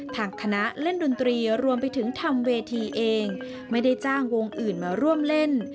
ทางคณะเล่นดนตรีรวมไปถึงทำเวทีเองไม่ได้จ้างวงอื่นมาร่วมเล่น